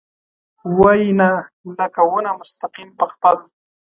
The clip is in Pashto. وايي ، نه ، لکه ونه مستقیم په خپل ...